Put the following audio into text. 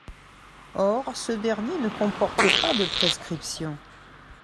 Or ce dernier ne comporte pas de prescriptions.